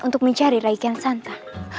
untuk mencari raiken santa